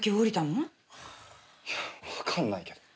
いやわかんないけど。